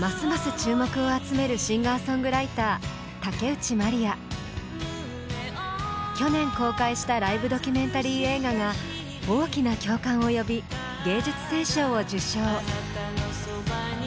注目を集める去年公開したライブドキュメンタリー映画が大きな共感を呼び「芸術選奨」を受賞。